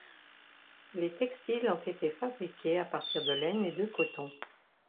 Les textiles ont été fabriqués à partir de laine et de coton.